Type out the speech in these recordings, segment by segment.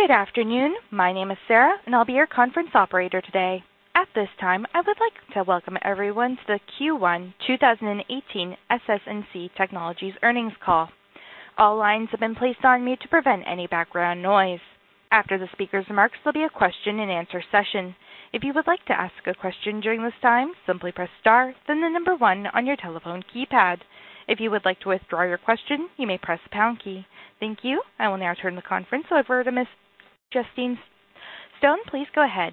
Good afternoon. My name is Sarah, and I'll be your conference operator today. At this time, I would like to welcome everyone to the Q1 2018 SS&C Technologies earnings call. All lines have been placed on mute to prevent any background noise. After the speaker's remarks, there'll be a question and answer session. If you would like to ask a question during this time, simply press star, then the number 1 on your telephone keypad. If you would like to withdraw your question, you may press pound key. Thank you. I will now turn the conference over to Ms. Justine Stone. Please go ahead.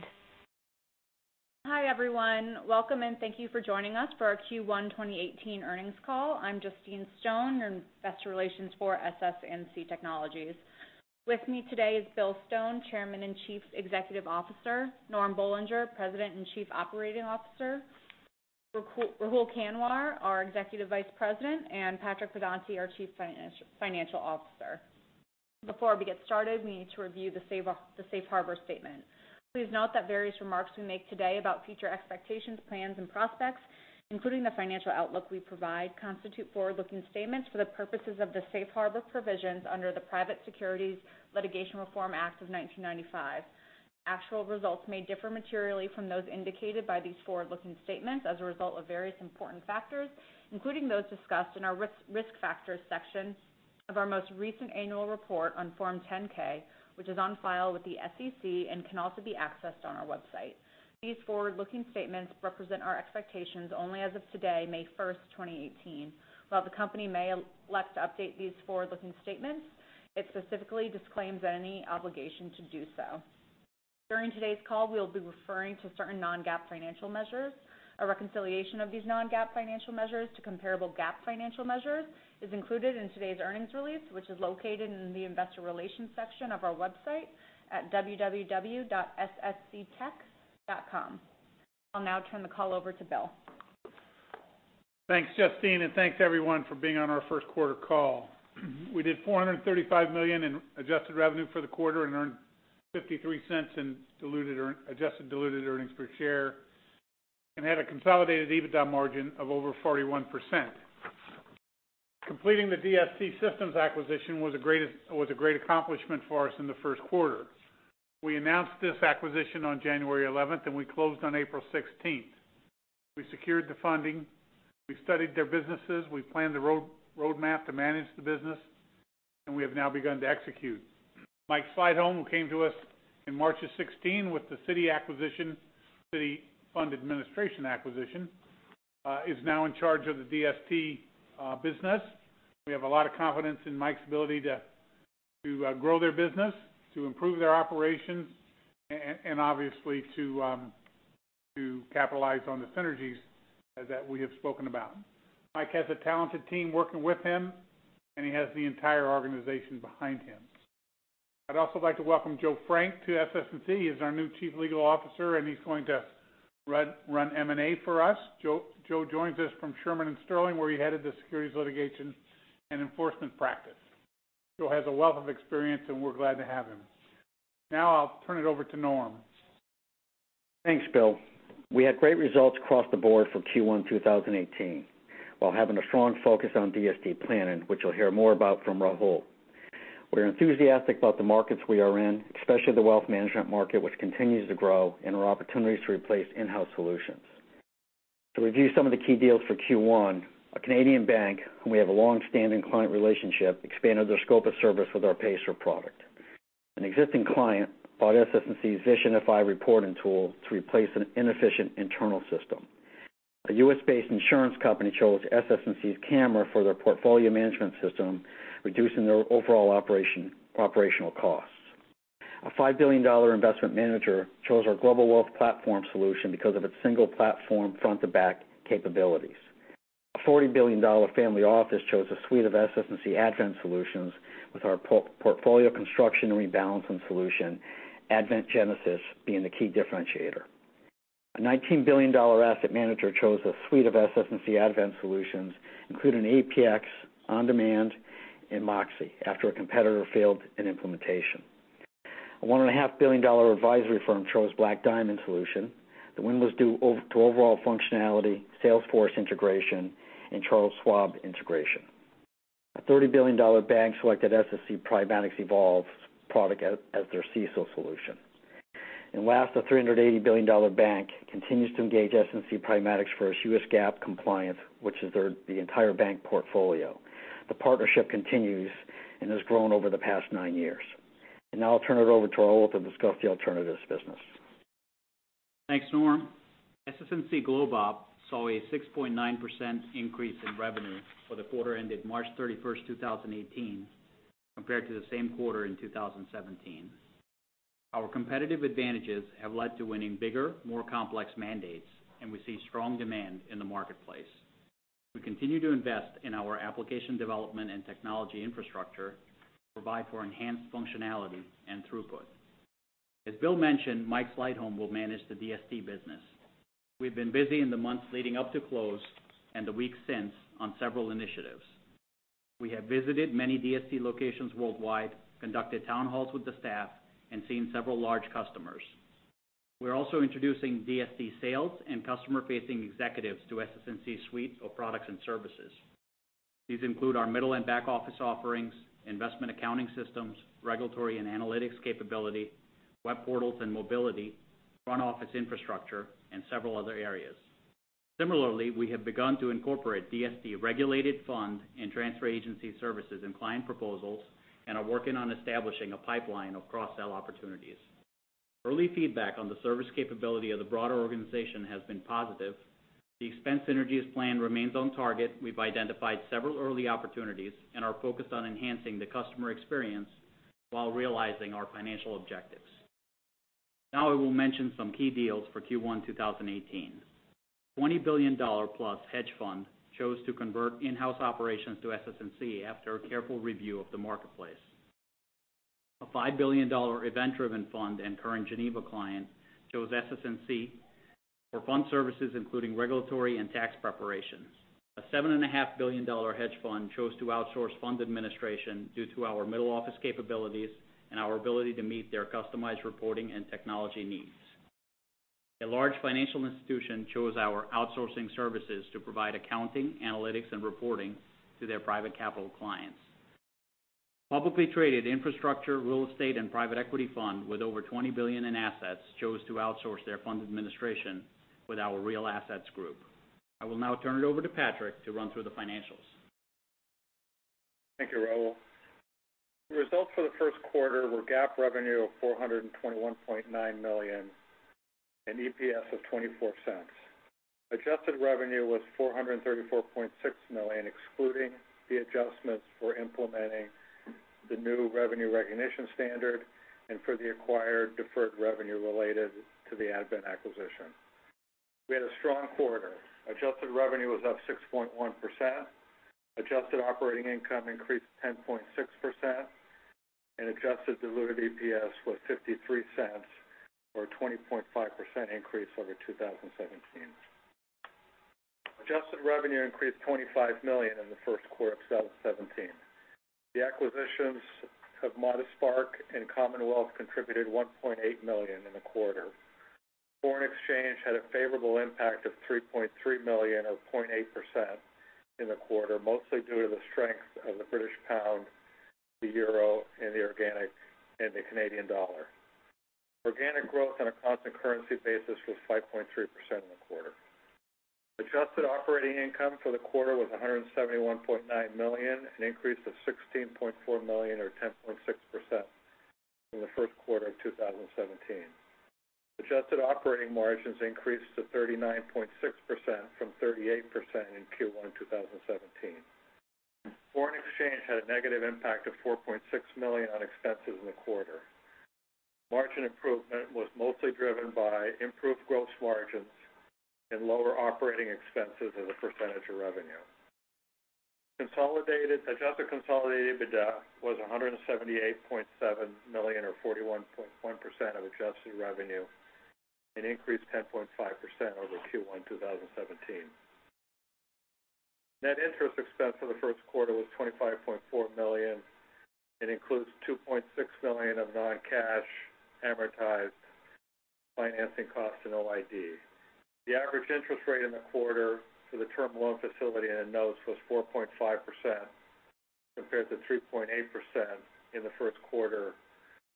Hi, everyone. Welcome, thank you for joining us for our Q1 2018 earnings call. I'm Justine Stone, Investor Relations for SS&C Technologies. With me today is Bill Stone, Chairman and Chief Executive Officer, Normand Boulanger, President and Chief Operating Officer, Rahul Kanwar, our Executive Vice President, and Patrick Pedonti, our Chief Financial Officer. Before we get started, we need to review the safe harbor statement. Please note that various remarks we make today about future expectations, plans, and prospects, including the financial outlook we provide, constitute forward-looking statements for the purposes of the Private Securities Litigation Reform Act of 1995. Actual results may differ materially from those indicated by these forward-looking statements as a result of various important factors, including those discussed in our Risk Factors section of our most recent annual report on Form 10-K, which is on file with the SEC and can also be accessed on our website. These forward-looking statements represent our expectations only as of today, May 1st, 2018. While the Company may elect to update these forward-looking statements, it specifically disclaims any obligation to do so. During today's call, we'll be referring to certain non-GAAP financial measures. A reconciliation of these non-GAAP financial measures to comparable GAAP financial measures is included in today's earnings release, which is located in the Investor Relations section of our website at www.ssctech.com. I'll now turn the call over to Bill. Thanks, Justine, thanks, everyone, for being on our first quarter call. We did $435 million in adjusted revenue for the quarter and earned $0.53 in adjusted diluted earnings per share and had a consolidated EBITDA margin of over 41%. Completing the DST Systems acquisition was a great accomplishment for us in the first quarter. We announced this acquisition on January 11th, and we closed on April 16th. We secured the funding. We studied their businesses. We planned the roadmap to manage the business, and we have now begun to execute. Mike Sleightholme, who came to us in March of 2016 with the Citi acquisition, Citi Fund Administration acquisition, is now in charge of the DST business. We have a lot of confidence in Mike's ability to grow their business, to improve their operations, and obviously to capitalize on the synergies that we have spoken about. Mike has a talented team working with him, and he has the entire organization behind him. I'd also like to welcome Joseph Frank to SS&C. He's our new Chief Legal Officer, and he's going to run M&A for us. Joe joins us from Shearman & Sterling, where he headed the securities litigation and enforcement practice. Joe has a wealth of experience, and we're glad to have him. I'll turn it over to Norm. Thanks, Bill. We had great results across the board for Q1 2018, while having a strong focus on DST planning, which you'll hear more about from Rahul. We're enthusiastic about the markets we are in, especially the wealth management market, which continues to grow, and our opportunities to replace in-house solutions. To review some of the key deals for Q1, a Canadian bank, whom we have a long-standing client relationship, expanded their scope of service with our Pacer product. An existing client bought SS&C Vision FI reporting tool to replace an inefficient internal system. A U.S.-based insurance company chose SS&C's CAMRA for their portfolio management system, reducing their overall operational costs. A $5 billion investment manager chose our Global Wealth Platform solution because of its single platform front-to-back capabilities. A $40 billion family office chose a suite of SS&C Advent solutions with our portfolio construction and rebalancing solution, Advent Genesis being the key differentiator. A $19 billion asset manager chose a suite of SS&C Advent solutions, including APX, On Demand, and Moxy, after a competitor failed in implementation. A one and a half billion dollar advisory firm chose Black Diamond solution. The win was due to overall functionality, Salesforce integration, and Charles Schwab integration. A $30 billion bank selected SS&C Primatics's EVOLV product as their CECL solution. Last, a $380 billion bank continues to engage SS&C Primatics for its US GAAP compliance, which is the entire bank portfolio. The partnership continues and has grown over the past nine years. Now I'll turn it over to Rahul to discuss the alternatives business. Thanks, Norm. SS&C GlobeOp saw a 6.9% increase in revenue for the quarter ended March 31st, 2018 compared to the same quarter in 2017. Our competitive advantages have led to winning bigger, more complex mandates, and we see strong demand in the marketplace. We continue to invest in our application development and technology infrastructure to provide for enhanced functionality and throughput. As Bill mentioned, Mike Sleightholme will manage the DST business. We've been busy in the months leading up to close and the weeks since on several initiatives. We have visited many DST locations worldwide, conducted town halls with the staff, and seen several large customers We're also introducing DST sales and customer-facing executives to SS&C's suite of products and services. These include our middle and back office offerings, investment accounting systems, regulatory and analytics capability, web portals and mobility, front office infrastructure, and several other areas. Similarly, we have begun to incorporate DST regulated fund and transfer agency services and client proposals, and are working on establishing a pipeline of cross-sell opportunities. Early feedback on the service capability of the broader organization has been positive. The expense synergies plan remains on target. We've identified several early opportunities and are focused on enhancing the customer experience while realizing our financial objectives. I will mention some key deals for Q1 2018. A 20-billion-dollar-plus hedge fund chose to convert in-house operations to SS&C after a careful review of the marketplace. A 5-billion-dollar event-driven fund and current Geneva client chose SS&C for fund services, including regulatory and tax preparations. A $7.5 billion hedge fund chose to outsource fund administration due to our middle office capabilities and our ability to meet their customized reporting and technology needs. A large financial institution chose our outsourcing services to provide accounting, analytics, and reporting to their private capital clients. Publicly traded infrastructure, real estate, and private equity fund with over 20 billion in assets chose to outsource their fund administration with our Real Assets group. I will now turn it over to Patrick to run through the financials. Thank you, Rahul. The results for the first quarter were GAAP revenue of $421.9 million and EPS of $0.24. Adjusted revenue was $434.6 million, excluding the adjustments for implementing the new revenue recognition standard and for the acquired deferred revenue related to the Advent acquisition. We had a strong quarter. Adjusted revenue was up 6.1%. Adjusted operating income increased 10.6%, and adjusted diluted EPS was $0.53, or a 20.5% increase over 2017. Adjusted revenue increased $25 million in the first quarter of 2017. The acquisitions of Modestspark and CommonWealth contributed $1.8 million in the quarter. Foreign exchange had a favorable impact of $3.3 million, or 0.8%, in the quarter, mostly due to the strength of the British pound, the euro, and the organic in the Canadian dollar. Organic growth on a constant currency basis was 5.3% in the quarter. Adjusted operating income for the quarter was $171.9 million, an increase of $16.4 million, or 10.6%, from the first quarter of 2017. Adjusted operating margins increased to 39.6% from 38% in Q1 2017. Foreign exchange had a negative impact of $4.6 million on expenses in the quarter. Margin improvement was mostly driven by improved gross margins and lower operating expenses as a percentage of revenue. Adjusted consolidated EBITDA was $178.7 million, or 41.1% of adjusted revenue, an increase 10.5% over Q1 2017. Net interest expense for the first quarter was $25.4 million. It includes $2.6 million of non-cash amortized financing costs and OID. The average interest rate in the quarter for the term loan facility and notes was 4.5%, compared to 3.8% in the first quarter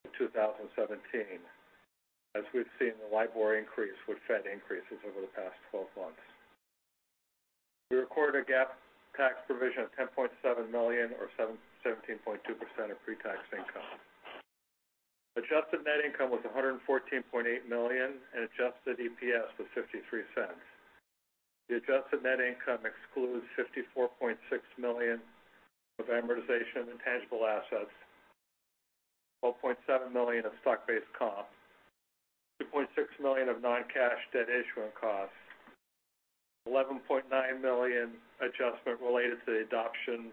of 2017, as we've seen the LIBOR increase with Fed increases over the past 12 months. We recorded a GAAP tax provision of $10.7 million, or 17.2% of pre-tax income. Adjusted net income was $114.8 million, and adjusted EPS was $0.53. The adjusted net income excludes $54.6 million of amortization and tangible assets, $12.7 million of stock-based costs, $2.6 million of non-cash debt issuance costs, $11.9 million adjustment related to the adoption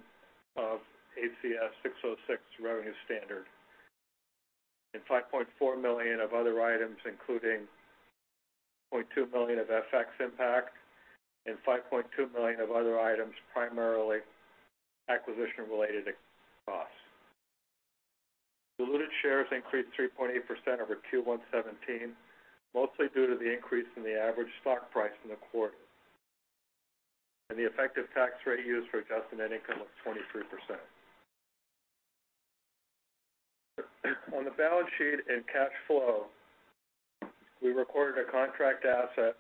of ASC 606 revenue standard, and $5.4 million of other items, including $0.2 million of FX impact and $5.2 million of other items, primarily acquisition-related costs. Diluted shares increased 3.8% over Q1 2017, mostly due to the increase in the average stock price in the quarter. The effective tax rate used for adjusted net income was 23%. On the balance sheet and cash flow, we recorded a contract asset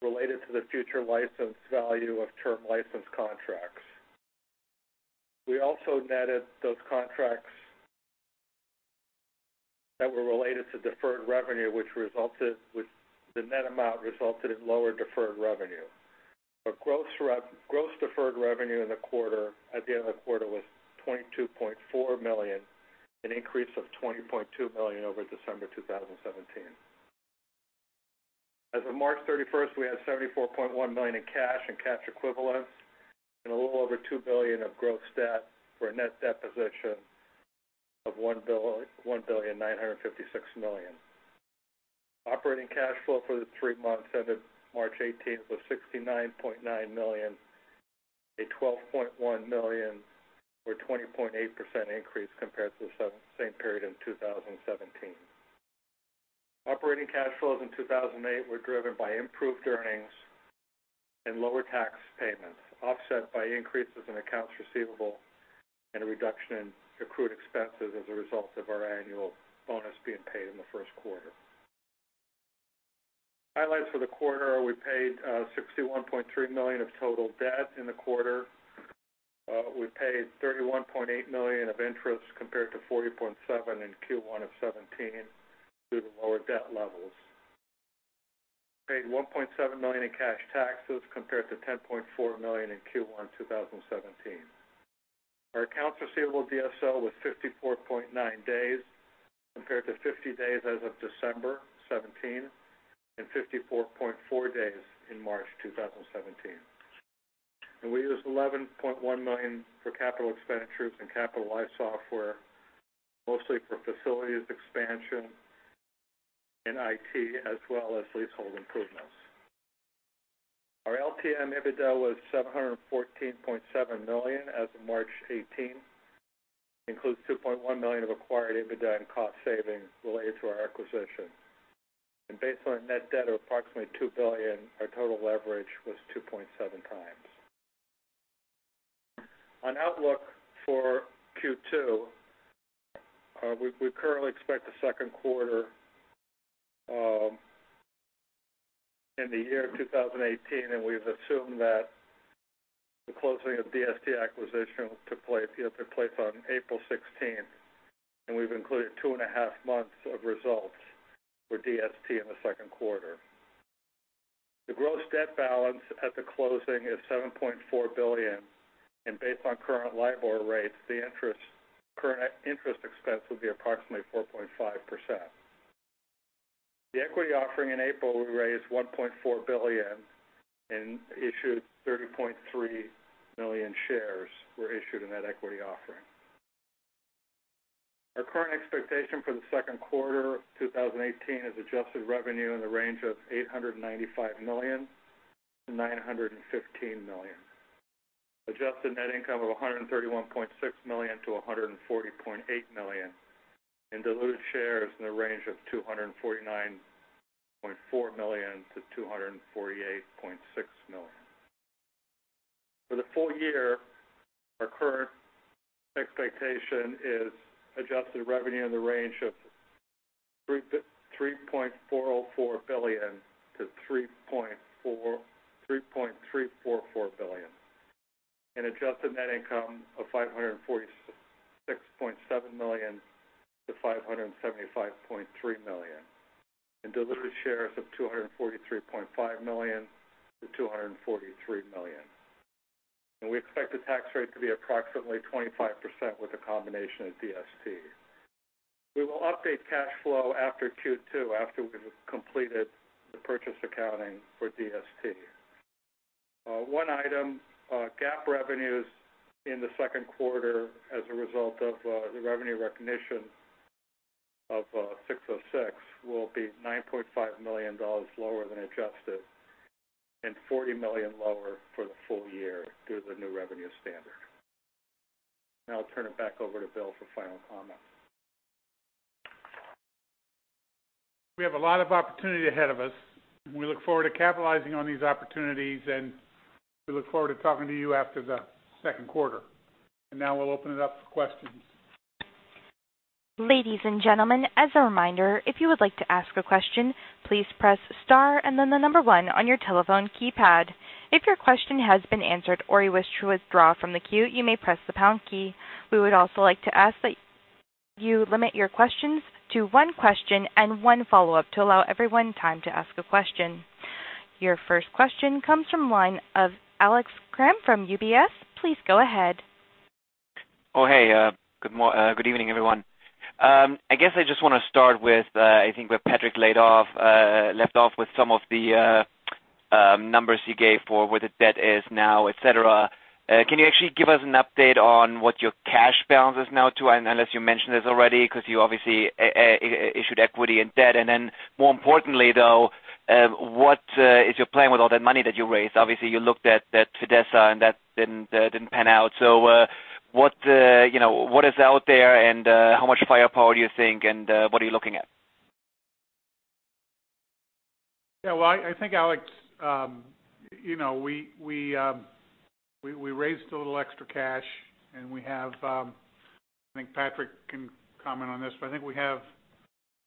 related to the future license value of term license contracts. We also netted those contracts that were related to deferred revenue, which the net amount resulted in lower deferred revenue. Gross deferred revenue at the end of the quarter was $22.4 million, an increase of $20.2 million over December 2017. As of March 31st, we had $74.1 million in cash and cash equivalents and a little over $2 billion of gross debt for a net debt position of $1,956 million. Operating cash flow for the three months ended March 31st was $69.9 million, a $12.1 million or 20.8% increase compared to the same period in 2017. Operating cash flows in 2018 were driven by improved earnings and lower tax payments, offset by increases in accounts receivable and a reduction in accrued expenses as a result of our annual bonus being paid in the first quarter. Highlights for the quarter, we paid $61.3 million of total debt in the quarter. We paid $31.8 million of interest, compared to $40.7 million in Q1 2017 due to lower debt levels. Made $1.7 million in cash taxes compared to $10.4 million in Q1 2017. Our accounts receivable DSO was 54.9 days, compared to 50 days as of December 2017, and 54.4 days in March 2017. We used $11.1 million for capital expenditures and capitalized software, mostly for facilities expansion and IT, as well as leasehold improvements. Our LTM EBITDA was $714.7 million as of March 2018. Includes $2.1 million of acquired EBITDA and cost savings related to our acquisition. Based on our net debt of approximately $2 billion, our total leverage was 2.7 times. On outlook for Q2, we currently expect the second quarter in the year 2018. We've assumed that the closing of DST acquisition will take place on April 16th, and we've included two and a half months of results for DST in the second quarter. The gross debt balance at the closing is $7.4 billion, and based on current LIBOR rates, the current interest expense will be approximately 4.5%. The equity offering in April, we raised $1.4 billion. 30.3 million shares were issued in that equity offering. Our current expectation for the second quarter of 2018 is adjusted revenue in the range of $895 million-$915 million. Adjusted net income of $131.6 million-$140.8 million, and diluted shares in the range of 248.6 million-249.4 million. For the full year, our current expectation is adjusted revenue in the range of $3.344 billion-$3.404 billion, an adjusted net income of $546.7 million-$575.3 million, and diluted shares of 243 million-243.5 million. We expect the tax rate to be approximately 25% with the combination of DST. We will update cash flow after Q2, after we've completed the purchase accounting for DST. One item, GAAP revenues in the second quarter as a result of the revenue recognition of 606 will be $9.5 million lower than adjusted and $40 million lower for the full year due to the new revenue standard. Now I'll turn it back over to Bill for final comment. We have a lot of opportunity ahead of us, we look forward to capitalizing on these opportunities, and we look forward to talking to you after the second quarter. Now we'll open it up for questions. Ladies and gentlemen, as a reminder, if you would like to ask a question, please press star and then the number one on your telephone keypad. If your question has been answered or you wish to withdraw from the queue, you may press the pound key. We would also like to ask that you limit your questions to one question and one follow-up to allow everyone time to ask a question. Your first question comes from the line of Alex Kramm from UBS. Please go ahead. Oh, hey. Good evening, everyone. I guess I just want to start with, I think, where Patrick left off with some of the numbers you gave for where the debt is now, et cetera. Can you actually give us an update on what your cash balance is now, too, unless you mentioned this already, because you obviously issued equity and debt. Then more importantly, though, what is your plan with all that money that you raised? Obviously, you looked at Fidessa and that didn't pan out. What is out there and how much firepower do you think, and what are you looking at? Well, I think, Alex, we raised a little extra cash, and we have, I think Patrick can comment on this, but I think we have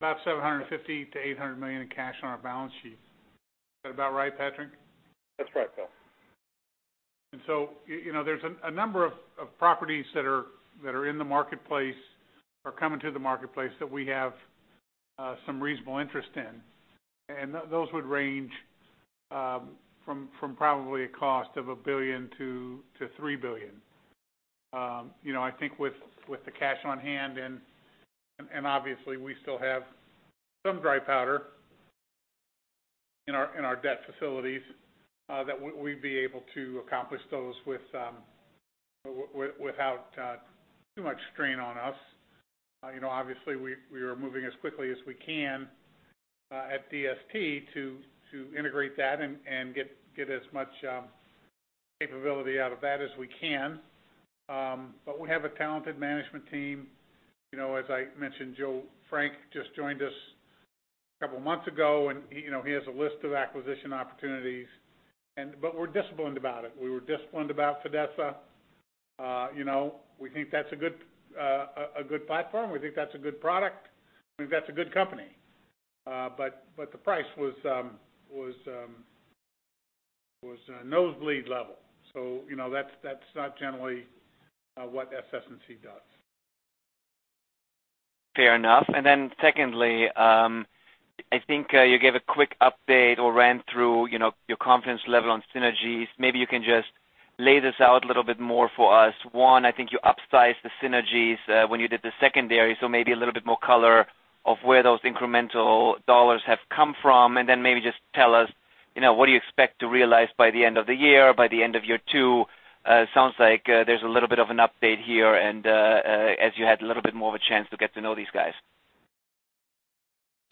about $750 million to $800 million in cash on our balance sheet. Is that about right, Patrick? That's right, Bill. So there's a number of properties that are in the marketplace or coming to the marketplace that we have some reasonable interest in. Those would range from probably a cost of $1 billion to $3 billion. I think with the cash on hand, and obviously we still have some dry powder in our debt facilities, that we'd be able to accomplish those without too much strain on us. Obviously, we are moving as quickly as we can at DST to integrate that and get as much capability out of that as we can. We have a talented management team. As I mentioned, Joseph Frank just joined us a couple months ago, and he has a list of acquisition opportunities. We're disciplined about it. We were disciplined about Fidessa. We think that's a good platform. We think that's a good product. We think that's a good company. The price was nosebleed level. That's not generally what SS&C does. Fair enough. Secondly, I think you gave a quick update or ran through your confidence level on synergies. Maybe you can just lay this out a little bit more for us. One, I think you upsized the synergies when you did the secondary, so maybe a little bit more color of where those incremental dollars have come from. Maybe just tell us, what do you expect to realize by the end of the year, by the end of year two? Sounds like there's a little bit of an update here as you had a little bit more of a chance to get to know these guys.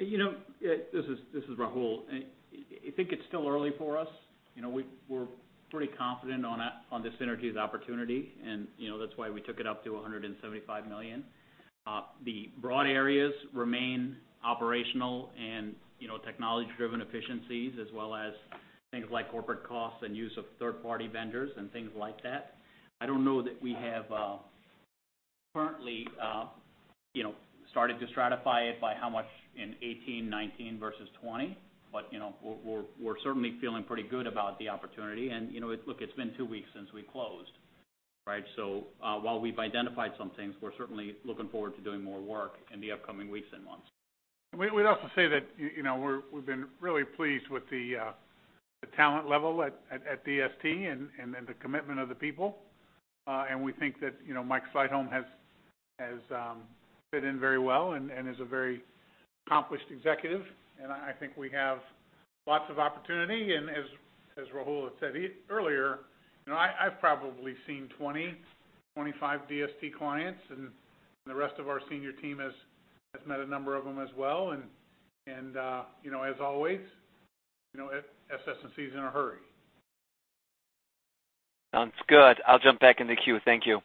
This is Rahul. I think it's still early for us. We're pretty confident on the synergies opportunity, that's why we took it up to $175 million. The broad areas remain operational and technology-driven efficiencies, as well as things like corporate costs and use of third-party vendors and things like that. I don't know that we have currently started to stratify it by how much in 2018, 2019 versus 2020. We're certainly feeling pretty good about the opportunity. Look, it's been two weeks since we closed, right? While we've identified some things, we're certainly looking forward to doing more work in the upcoming weeks and months. We'd also say that we've been really pleased with the talent level at DST and the commitment of the people. We think that Mike Sleightholme has fit in very well and is a very accomplished executive. I think we have lots of opportunity, as Rahul had said earlier, I've probably seen 20, 25 DST clients, and the rest of our senior team has met a number of them as well. As always, SS&C's in a hurry. Sounds good. I'll jump back in the queue. Thank you.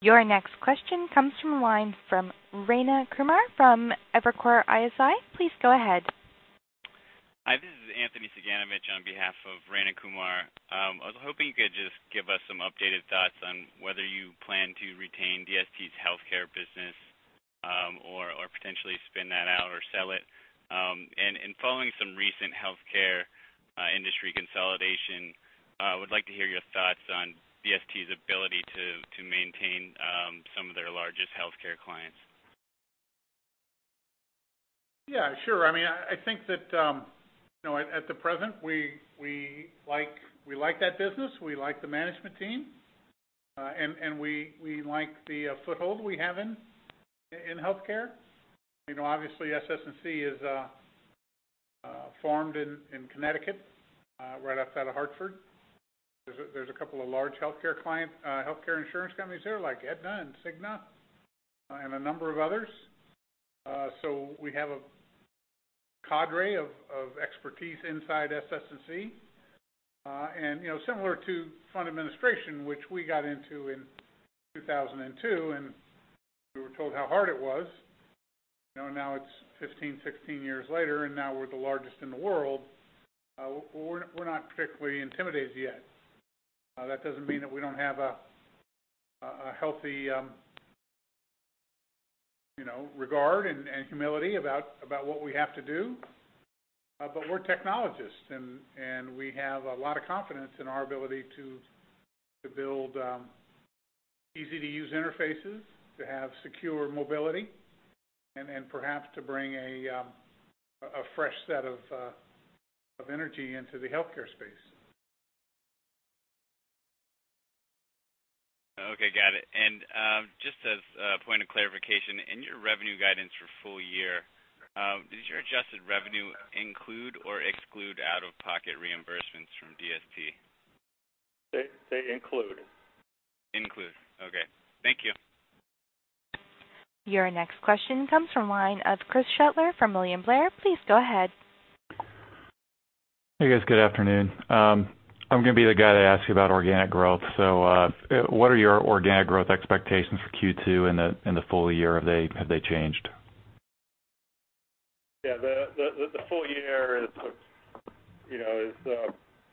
Your next question comes from the line from Rayna Kumar from Evercore ISI. Please go ahead. Hi, this is Anthony Suganami on behalf of Rayna Kumar. I was hoping you could just give us some updated thoughts on whether you plan to retain DST's healthcare business or potentially spin that out or sell it. Following some recent healthcare industry consolidation, I would like to hear your thoughts on DST's ability to maintain some of their largest healthcare clients. Yeah, sure. I think that at the present, we like that business. We like the management team. We like the foothold we have in healthcare. Obviously, SS&C is formed in Connecticut, right outside of Hartford. There's a couple of large healthcare insurance companies there, like Aetna and Cigna, and a number of others. We have a cadre of expertise inside SS&C. Similar to fund administration, which we got into in 2002, and we were told how hard it was. Now it's 15, 16 years later, and now we're the largest in the world. We're not particularly intimidated yet. That doesn't mean that we don't have a healthy regard and humility about what we have to do. We're technologists, and we have a lot of confidence in our ability to build easy-to-use interfaces, to have secure mobility, and perhaps to bring a fresh set of energy into the healthcare space. Okay, got it. Just as a point of clarification, in your revenue guidance for full year, does your adjusted revenue include or exclude out-of-pocket reimbursements from DST? They include. Include. Okay. Thank you. Your next question comes from the line of Chris Shutler from William Blair. Please go ahead. Hey, guys. Good afternoon. I'm going to be the guy that asks you about organic growth. What are your organic growth expectations for Q2 and the full year? Have they changed? Yeah. The full year is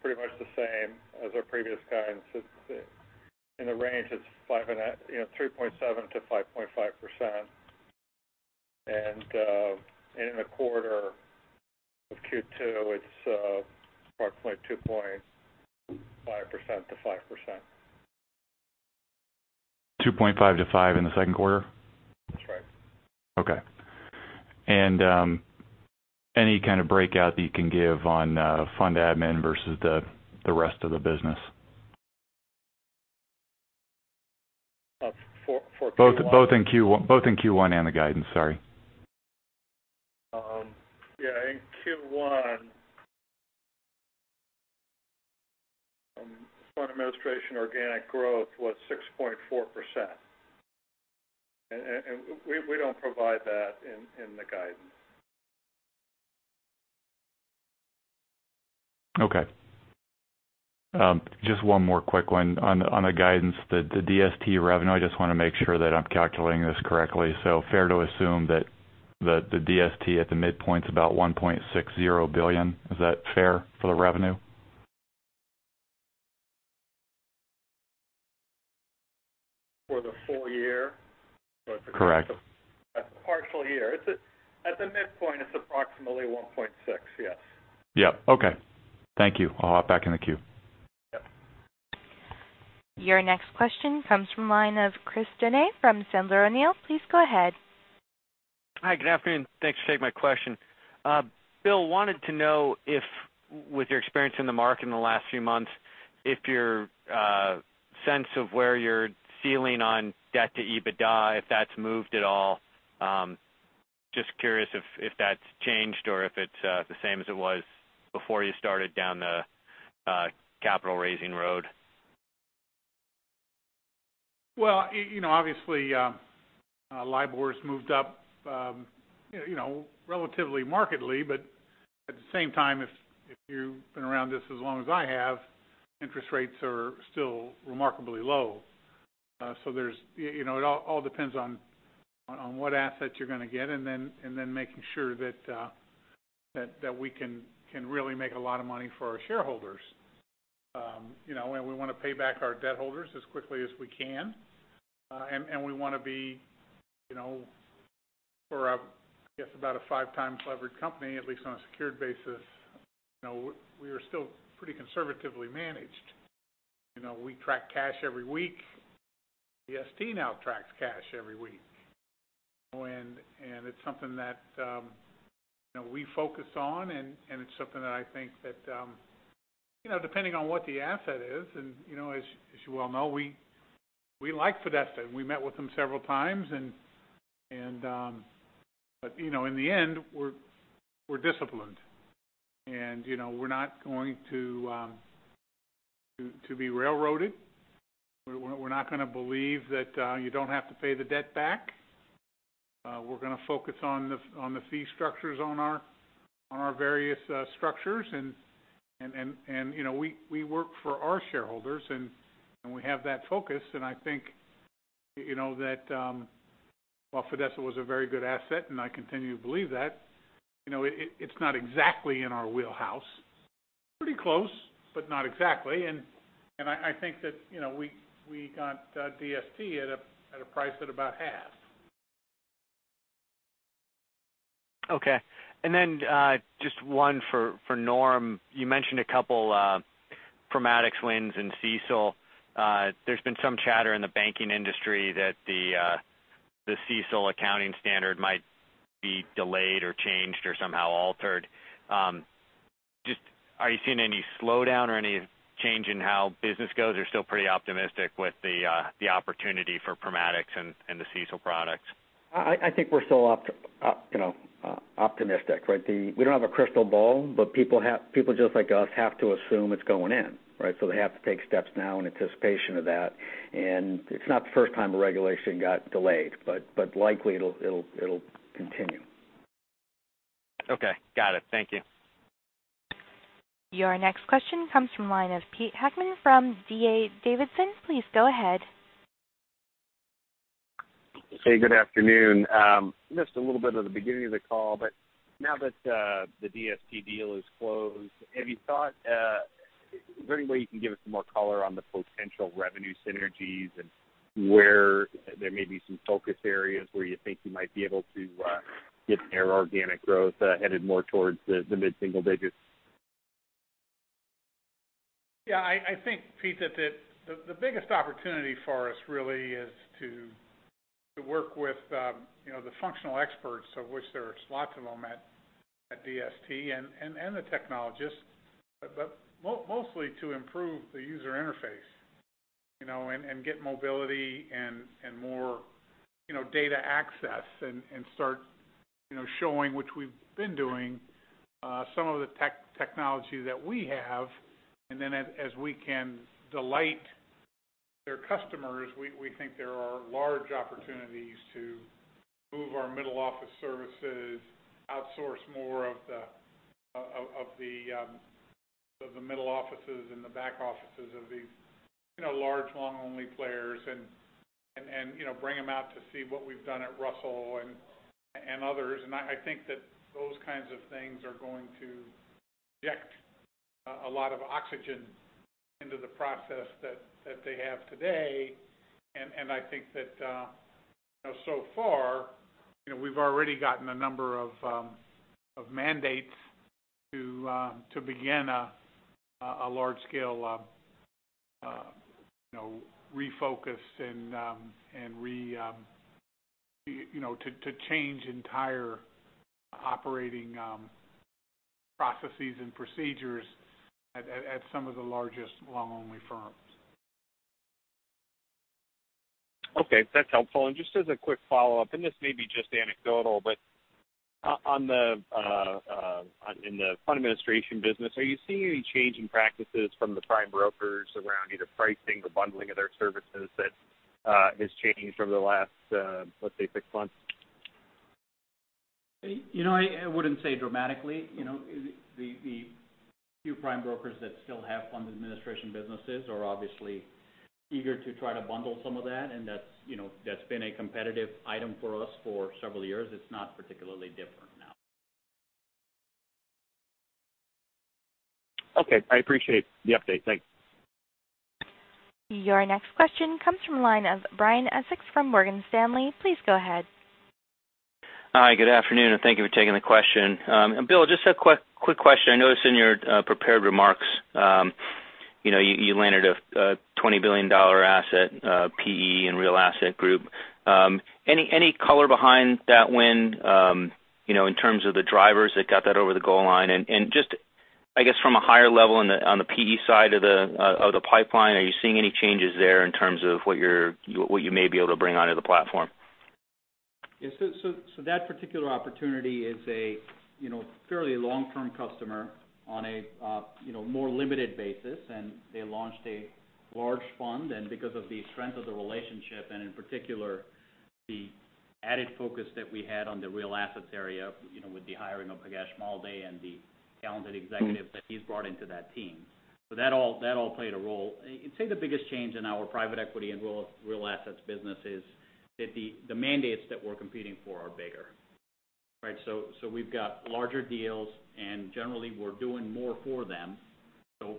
pretty much the same as our previous guidance. In the range, it's 3.7%-5.5%. In the quarter of Q2, it's approximately 2.5%-5%. 2.5%-5% in the second quarter? That's right. Okay. Any kind of breakout that you can give on fund admin versus the rest of the business? For Q1? Both in Q1 and the guidance, sorry. Yeah. In Q1, fund administration organic growth was 6.4%. We don't provide that in the guidance. Okay. Just one more quick one. On the guidance, the DST revenue, I just want to make sure that I'm calculating this correctly. Fair to assume that the DST at the midpoint is about $1.60 billion? Is that fair for the revenue? For the full year? Correct. That's a partial year. At the midpoint, it's approximately $1.6 billion, yes. Yeah. Okay. Thank you. I'll hop back in the queue. Yep. Your next question comes from the line of Chris Donat from Sandler O'Neill. Please go ahead. Hi, good afternoon. Thanks for taking my question. Bill, wanted to know if with your experience in the market in the last few months, if your sense of where your ceiling on debt to EBITDA, if that's moved at all. Just curious if that's changed or if it's the same as it was before you started down the capital-raising road. Well, obviously, LIBOR's moved up relatively markedly. At the same time, if you've been around this as long as I have, interest rates are still remarkably low. It all depends on what assets you're going to get, and then making sure that we can really make a lot of money for our shareholders. We want to pay back our debt holders as quickly as we can. We want to be, for I guess about a 5x levered company, at least on a secured basis. We are still pretty conservatively managed. We track cash every week. DST now tracks cash every week. It's something that we focus on, and it's something that I think that, depending on what the asset is, and as you well know, we like Fidessa. We met with them several times. In the end, we're disciplined. We're not going to be railroaded. We're not going to believe that you don't have to pay the debt back. We're going to focus on the fee structures on our various structures. We work for our shareholders, and we have that focus. I think that while Fidessa was a very good asset, and I continue to believe that, it's not exactly in our wheelhouse. Pretty close, but not exactly. I think that we got DST at a price at about half. Okay. Just one for Norm. You mentioned a couple Primatics wins in CECL. There's been some chatter in the banking industry that the CECL accounting standard might be delayed or changed or somehow altered. Are you seeing any slowdown or any change in how business goes, or still pretty optimistic with the opportunity for Primatics and the CECL products? I think we're still optimistic. We don't have a crystal ball, but people just like us have to assume it's going in. They have to take steps now in anticipation of that. It's not the first time a regulation got delayed, but likely it'll continue. Okay. Got it. Thank you. Your next question comes from the line of Pete Heckmann from D.A. Davidson. Please go ahead. Hey, good afternoon. Missed a little bit of the beginning of the call, now that the DST deal is closed, have you thought, is there any way you can give us some more color on the potential revenue synergies and where there may be some focus areas where you think you might be able to get their organic growth headed more towards the mid-single digits? Yeah, I think, Pete, that the biggest opportunity for us really is to work with the functional experts, of which there's lots of them at DST, and the technologists. Mostly to improve the user interface, and get mobility and more data access. Start showing, which we've been doing, some of the technology that we have. As we can delight their customers, we think there are large opportunities to move our middle office services, outsource more of the middle offices and the back offices of these large loan-only players. Bring them out to see what we've done at Russell and others. I think that those kinds of things are going to inject a lot of oxygen into the process that they have today. I think that so far, we've already gotten a number of mandates to begin a large-scale refocus to change entire operating processes and procedures at some of the largest loan-only firms. Okay. That's helpful. Just as a quick follow-up, and this may be just anecdotal, but in the fund administration business, are you seeing any change in practices from the prime brokers around either pricing or bundling of their services that has changed over the last, let's say, six months? I wouldn't say dramatically. The few prime brokers that still have fund administration businesses are obviously eager to try to bundle some of that, and that's been a competitive item for us for several years. It's not particularly different now. Okay. I appreciate the update. Thanks. Your next question comes from the line of Brian Essex from Morgan Stanley. Please go ahead. Hi, good afternoon. Thank you for taking the question. Bill, just a quick question. I noticed in your prepared remarks, you landed a $20 billion asset PE and real asset group. Any color behind that win in terms of the drivers that got that over the goal line? Just, I guess, from a higher level on the PE side of the pipeline, are you seeing any changes there in terms of what you may be able to bring onto the platform? That particular opportunity is a fairly long-term customer on a more limited basis, and they launched a large fund. Because of the strength of the relationship, and in particular, the added focus that we had on the real assets area with the hiring of Bhagesh Malde and the talented executives that he's brought into that team. That all played a role. I'd say the biggest change in our private equity and real assets business is that the mandates that we're competing for are bigger. We've got larger deals, and generally, we're doing more for them.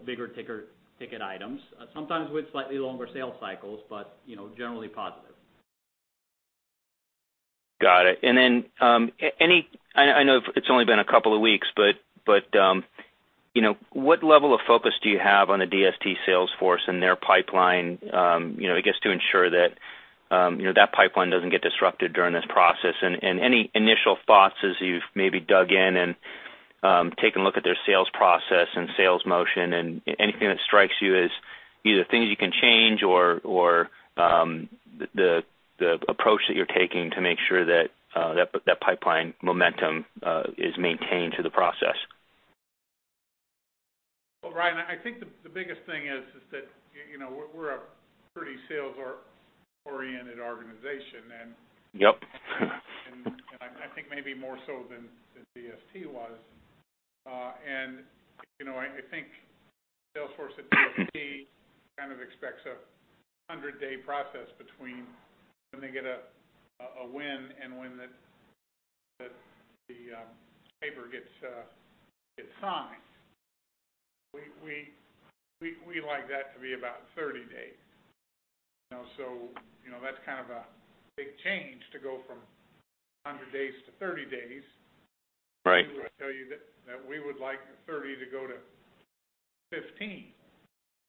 Bigger ticket items. Sometimes with slightly longer sales cycles, but generally positive. Got it. Then, I know it's only been a couple of weeks, but what level of focus do you have on the DST sales force and their pipeline, I guess, to ensure that that pipeline doesn't get disrupted during this process? Any initial thoughts as you've maybe dug in and taken a look at their sales process and sales motion and anything that strikes you as either things you can change or the approach that you're taking to make sure that that pipeline momentum is maintained through the process? Well, Brian, I think the biggest thing is that we're a pretty sales-oriented organization. Yep I think maybe more so than DST was. I think sales force at DST kind of expects a 100-day process between when they get a win and when the paper gets signed. We like that to be about 30 days. That's kind of a big change to go from 100 days to 30 days. Right. We would tell you that we would like the 30 to go to 15.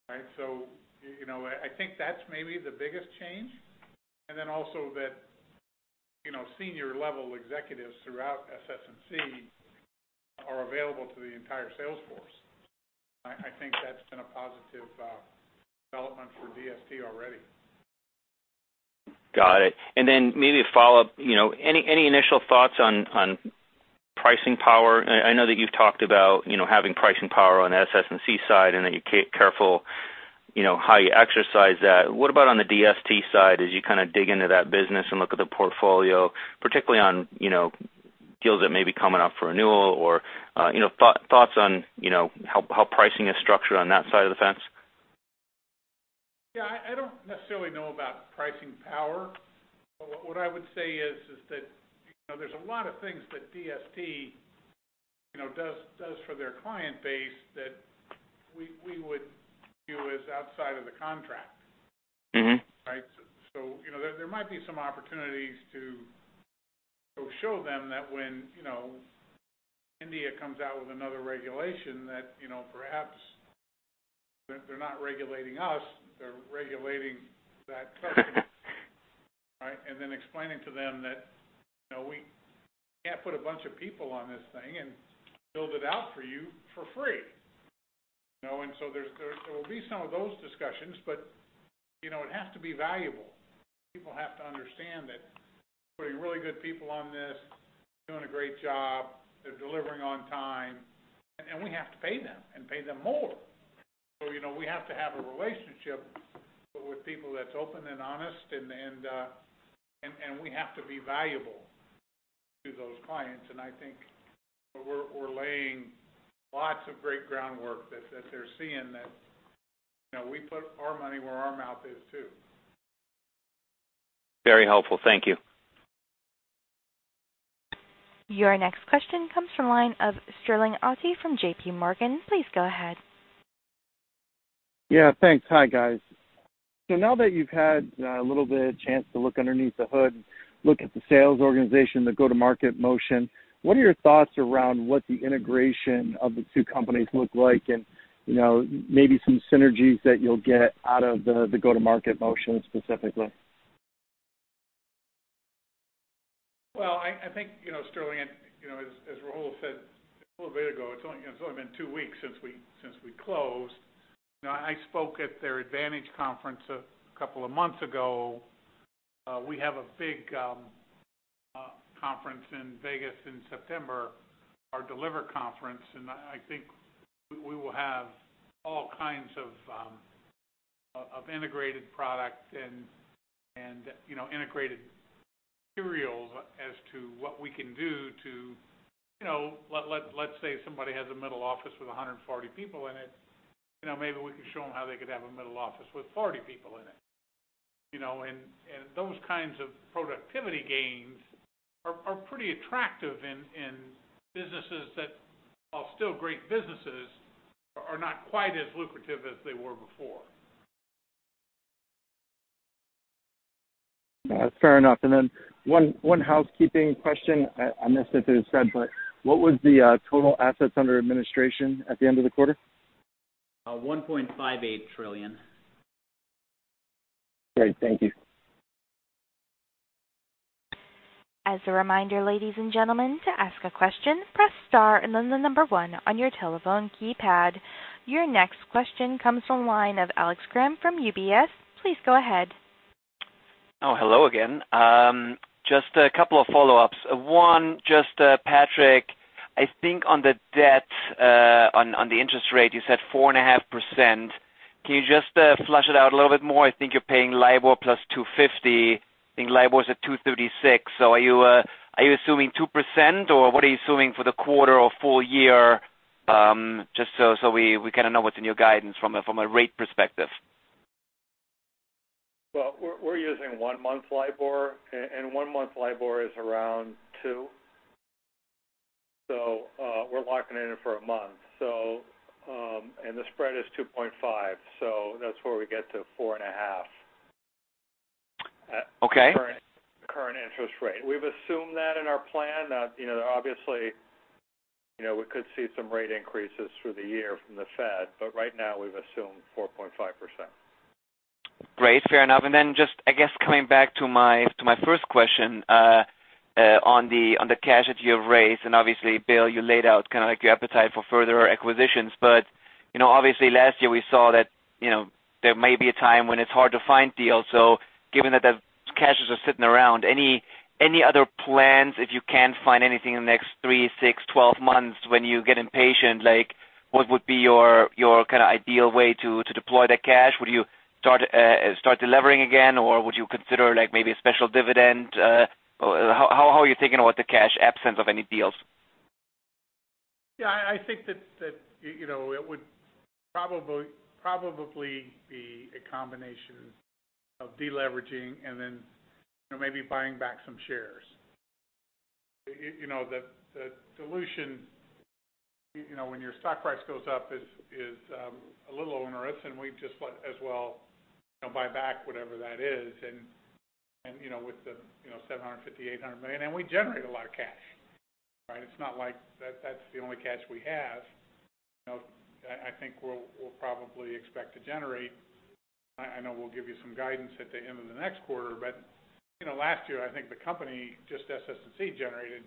I think that's maybe the biggest change. Also that senior level executives throughout SS&C are available to the entire sales force. I think that's been a positive development for DST already. Got it. Maybe a follow-up. Any initial thoughts on pricing power? I know that you've talked about having pricing power on the SS&C side, and that you're careful how you exercise that. What about on the DST side as you dig into that business and look at the portfolio, particularly on deals that may be coming up for renewal or thoughts on how pricing is structured on that side of the fence? Yeah, I don't necessarily know about pricing power. What I would say is, there's a lot of things that DST does for their client base that we would view as outside of the contract. There might be some opportunities to show them that when India comes out with another regulation that perhaps they're not regulating us, they're regulating that customer. Explaining to them that we can't put a bunch of people on this thing and build it out for you for free. There will be some of those discussions, but it has to be valuable. People have to understand that putting really good people on this, doing a great job, they're delivering on time, and we have to pay them and pay them more. We have to have a relationship with people that's open and honest and we have to be valuable to those clients. I think we're laying lots of great groundwork that they're seeing that we put our money where our mouth is too. Very helpful. Thank you. Your next question comes from the line of Sterling Auty from J.P. Morgan. Please go ahead. Yeah, thanks. Hi, guys. Now that you've had a little bit of chance to look underneath the hood, look at the sales organization, the go-to-market motion, what are your thoughts around what the integration of the two companies look like and maybe some synergies that you'll get out of the go-to-market motion specifically? I think, Sterling, as Rahul said a little bit ago, it's only been two weeks since we closed. I spoke at their Advantage conference a couple of months ago. We have a big conference in Vegas in September, our Deliver conference, and I think we will have all kinds of integrated product and integrated materials as to what we can do to, let's say somebody has a middle office with 140 people in it. Maybe we can show them how they could have a middle office with 40 people in it. Those kinds of productivity gains are pretty attractive in businesses that, while still great businesses, are not quite as lucrative as they were before. That's fair enough. Then one housekeeping question. I missed it in the spread, but what was the total assets under administration at the end of the quarter? $1.58 trillion. Great. Thank you. As a reminder, ladies and gentlemen, to ask a question, press star and then the number one on your telephone keypad. Your next question comes from the line of Alex Kramm from UBS. Please go ahead. Hello again. Just a couple of follow-ups. One, Patrick, I think on the debt, on the interest rate, you said 4.5%. Can you just flesh it out a little bit more? I think you're paying LIBOR plus 250. I think LIBOR is at 236. Are you assuming 2% or what are you assuming for the quarter or full year? Just so we kind of know what's in your guidance from a rate perspective. Well, we're using one-month LIBOR, one-month LIBOR is around two. We're locking it in for a month. The spread is 2.5, that's where we get to 4.5. Okay. Current interest rate. We've assumed that in our plan. Obviously, we could see some rate increases through the year from the Fed, right now, we've assumed 4.5%. Great. Fair enough. Just, I guess, coming back to my first question on the cash that you have raised, obviously, Bill, you laid out your appetite for further acquisitions. Obviously, last year we saw that there may be a time when it's hard to find deals. Given that the cashes are sitting around, any other plans if you can't find anything in the next 3, 6, 12 months when you get impatient? What would be your ideal way to deploy that cash? Would you start delevering again, or would you consider maybe a special dividend? How are you thinking about the cash absence of any deals? I think that it would probably be a combination of deleveraging and then maybe buying back some shares. The dilution when your stock price goes up is a little onerous, and we just thought as well buy back whatever that is. With the $750 million-$800 million, we generate a lot of cash. It's not like that's the only cash we have. I think we'll probably expect to generate. I know we'll give you some guidance at the end of the next quarter, last year, I think the company, just SS&C generated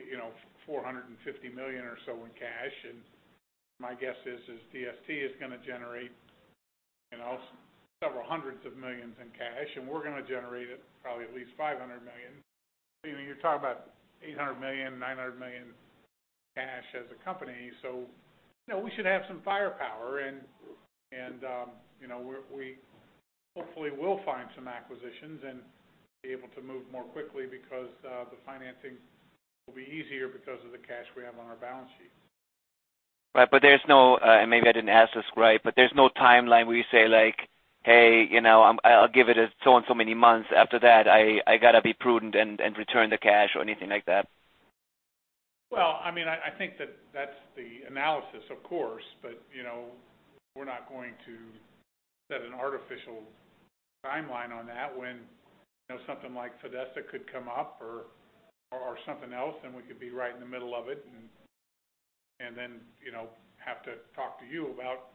$450 million or so in cash. My guess is DST is going to generate several hundreds of millions in cash, and we're going to generate probably at least $500 million. You're talking about $800 million-$900 million cash as a company. We should have some firepower, and we hopefully will find some acquisitions and be able to move more quickly because the financing will be easier because of the cash we have on our balance sheet. Right. There's no timeline where you say, "Hey, I'll give it so and so many months. After that, I got to be prudent and return the cash," or anything like that? I think that's the analysis, of course. We're not going to set an artificial timeline on that when something like Fidessa could come up or something else, and we could be right in the middle of it and then have to talk to you about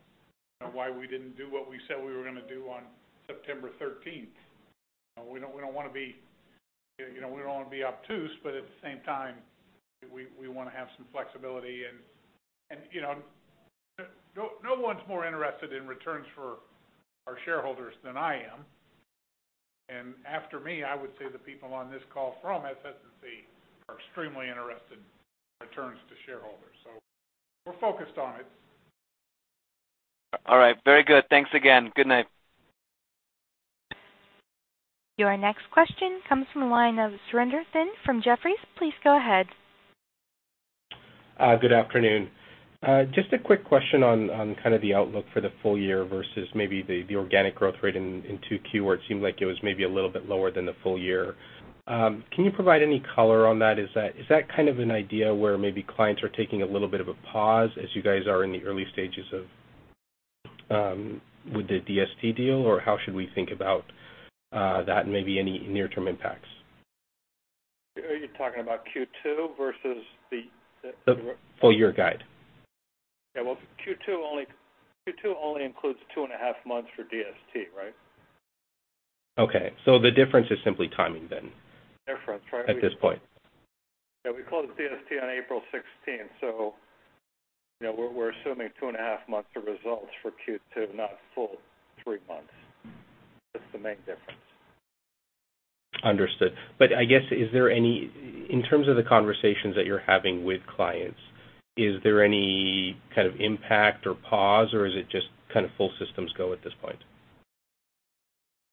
why we didn't do what we said we were going to do on September 13th. We don't want to be obtuse, but at the same time, we want to have some flexibility. No one's more interested in returns for our shareholders than I am. After me, I would say the people on this call from SS&C are extremely interested in returns to shareholders. We're focused on it. All right. Very good. Thanks again. Good night. Your next question comes from the line of Surinder Singh from Jefferies. Please go ahead. Good afternoon. Just a quick question on kind of the outlook for the full year versus maybe the organic growth rate in Q2, where it seemed like it was maybe a little bit lower than the full year. Can you provide any color on that? Is that kind of an idea where maybe clients are taking a little bit of a pause as you guys are in the early stages with the DST deal, or how should we think about that and maybe any near-term impacts? Are you talking about Q2 versus the- Full year guide Yeah. Well, Q2 only includes two and a half months for DST, right? Okay. The difference is simply timing then. Difference, right. at this point. Yeah. We closed DST on April 16th, so we're assuming 2 and a half months of results for Q2, not full 3 months. That's the main difference. Understood. I guess, in terms of the conversations that you're having with clients, is there any kind of impact or pause, or is it just kind of full systems go at this point?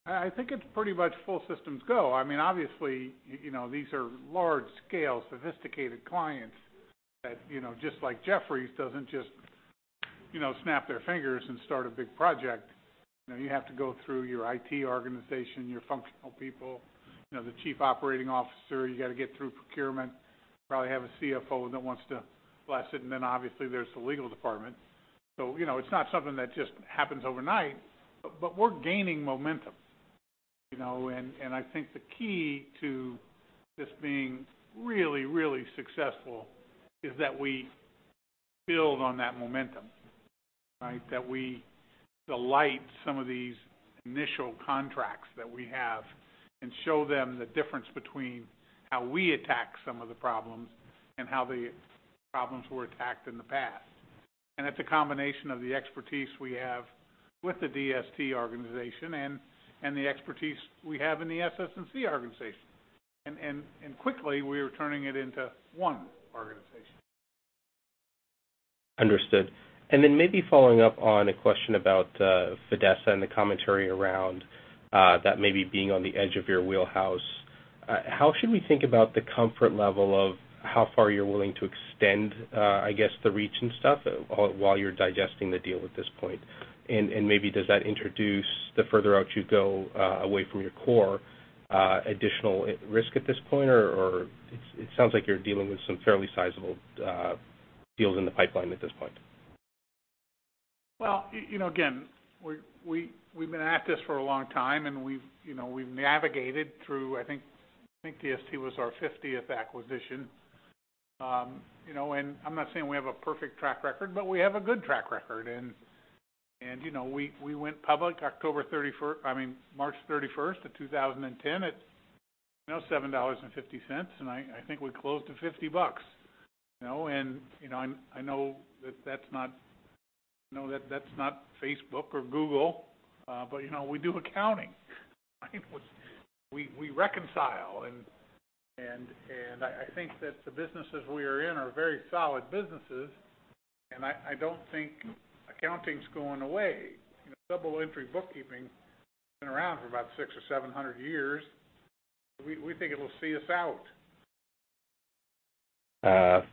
I think it's pretty much full systems go. Obviously, these are large-scale, sophisticated clients that, just like Jefferies, doesn't just snap their fingers and start a big project. You have to go through your IT organization, your functional people, the chief operating officer. You got to get through procurement, probably have a CFO that wants to bless it, and then obviously there's the legal department. It's not something that just happens overnight. We're gaining momentum. I think the key to this being really, really successful is that we build on that momentum. That we delight some of these initial contracts that we have and show them the difference between how we attack some of the problems and how the problems were attacked in the past. It's a combination of the expertise we have with the DST organization and the expertise we have in the SS&C organization. Quickly, we are turning it into one organization. Understood. Then maybe following up on a question about Fidessa and the commentary around that maybe being on the edge of your wheelhouse. How should we think about the comfort level of how far you're willing to extend the reach and stuff while you're digesting the deal at this point? Maybe does that introduce, the further out you go away from your core, additional risk at this point, or it sounds like you're dealing with some fairly sizable deals in the pipeline at this point. Well, again, we've been at this for a long time, and we've navigated through, I think DST was our 50th acquisition. I'm not saying we have a perfect track record, but we have a good track record. We went public March 31st of 2010 at $7.50, and I think we closed at $50. I know that that's not Facebook or Google. We do accounting, we reconcile, and I think that the businesses we are in are very solid businesses, and I don't think accounting's going away. Double-entry bookkeeping has been around for about 600 or 700 years. We think it'll see us out.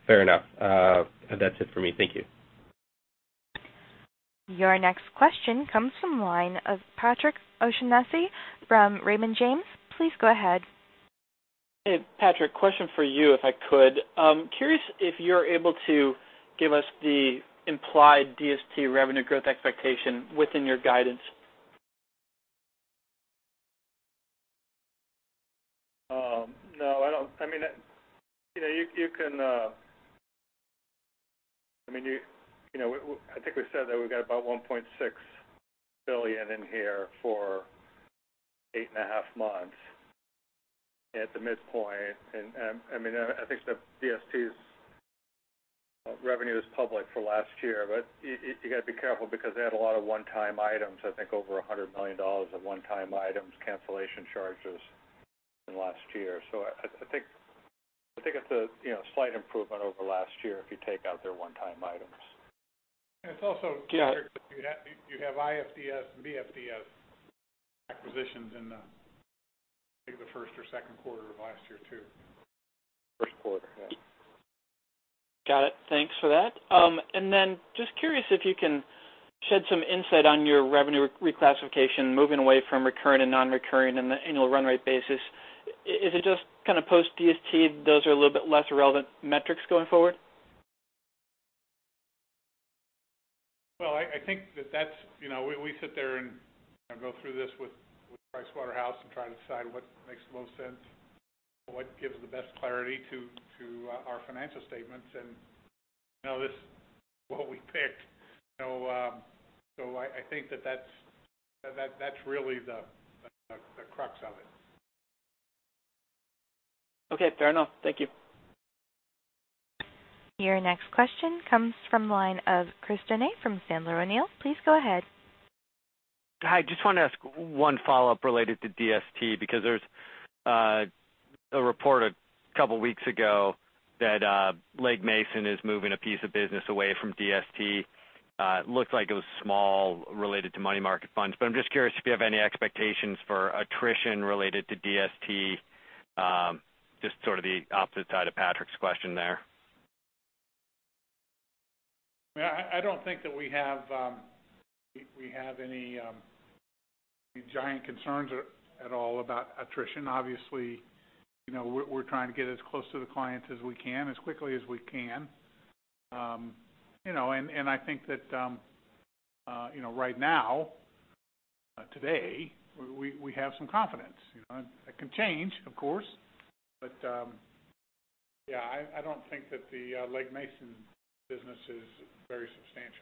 Fair enough. That's it for me. Thank you. Your next question comes from the line of Patrick O'Shaughnessy from Raymond James. Please go ahead. Hey, Patrick, question for you if I could. Curious if you're able to give us the implied DST revenue growth expectation within your guidance. No. I think we said that we've got about $1.6 billion in here for eight and a half months at the midpoint. I think the DST's revenue is public for last year, you got to be careful because they had a lot of one-time items, I think over $100 million of one-time items, cancellation charges in the last year. I think it's a slight improvement over last year if you take out their one-time items. It's also- Yeah You have IFDS and BFDS acquisitions in the, I think, the first or second quarter of last year, too. First quarter, yeah. Got it. Thanks for that. Just curious if you can shed some insight on your revenue reclassification, moving away from recurring and non-recurring in the annual run rate basis. Is it just kind of post-DST, those are a little bit less relevant metrics going forward? Well, we sit there and go through this with PricewaterhouseCoopers and try to decide what makes the most sense, what gives the best clarity to our financial statements, and this is what we picked. I think that that's really the crux of it. Okay. Fair enough. Thank you. Your next question comes from the line of Chris Donat from Sandler O'Neill. Please go ahead. Hi. Just wanted to ask one follow-up related to DST, because there was a report a couple of weeks ago that Legg Mason is moving a piece of business away from DST. Looked like it was small, related to money market funds. I'm just curious if you have any expectations for attrition related to DST. Just sort of the opposite side of Patrick's question there. I don't think that we have any giant concerns at all about attrition. Obviously, we're trying to get as close to the clients as we can, as quickly as we can. I think that right now Today, we have some confidence. That can change, of course. Yeah, I don't think that the Legg Mason business is very substantial.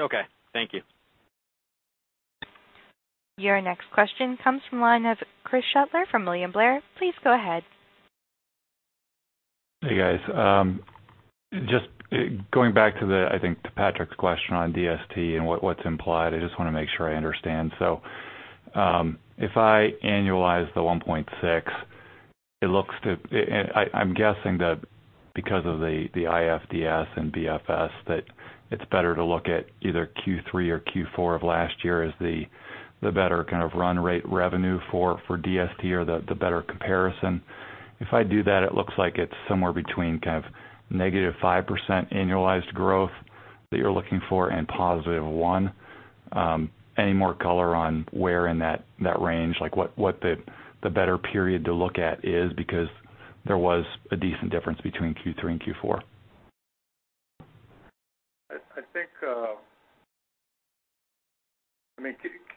Okay. Thank you. Your next question comes from the line of Chris Shutler from William Blair. Please go ahead. Hey, guys. Just going back to, I think, Patrick's question on DST and what's implied, I just want to make sure I understand. If I annualize the 1.6, I'm guessing that because of the IFDS and BFDS, that it's better to look at either Q3 or Q4 of last year as the better kind of run rate revenue for DST or the better comparison. If I do that, it looks like it's somewhere between kind of -5% annualized growth that you're looking for and 1. More color on where in that range, like what the better period to look at is because there was a decent difference between Q3 and Q4. I think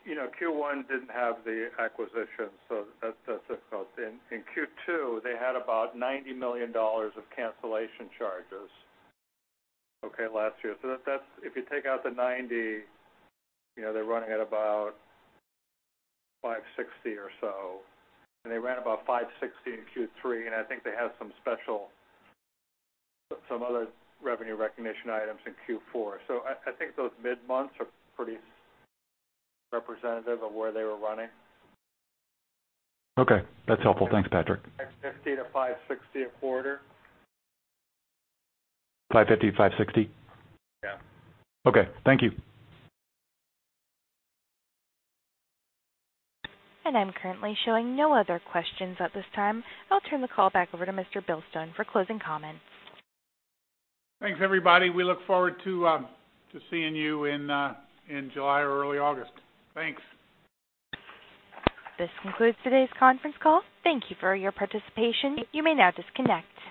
Q1 didn't have the acquisition, that's difficult. In Q2, they had about $90 million of cancellation charges, okay, last year. If you take out the 90, they're running at about 560 or so, and they ran about 560 in Q3, and I think they have some other revenue recognition items in Q4. I think those mid-months are pretty representative of where they were running. Okay. That's helpful. Thanks, Patrick. $550-$560 a quarter. $550, $560? Yeah. Okay. Thank you. I'm currently showing no other questions at this time. I'll turn the call back over to Bill Stone for closing comments. Thanks, everybody. We look forward to seeing you in July or early August. Thanks. This concludes today's conference call. Thank you for your participation. You may now disconnect.